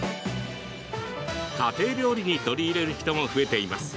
家庭料理に取り入れる人も増えています。